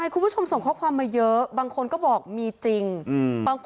คุณผู้ชมส่งข้อความมาเยอะบางคนก็บอกมีจริง